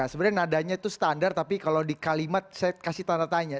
sebenarnya nadanya itu standar tapi kalau di kalimat saya kasih tanda tanya